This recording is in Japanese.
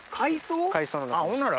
ほんなら。